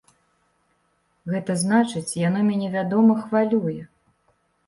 Гэта значыць, яно мяне, вядома, хвалюе.